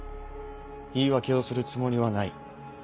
言い訳をするつもりはない。